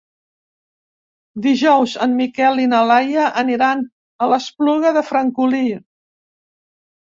Dijous en Miquel i na Laia aniran a l'Espluga de Francolí.